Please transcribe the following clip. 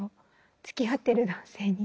つきあってる男性に。